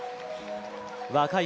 若い